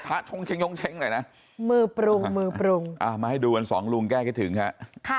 สวัสดีครับ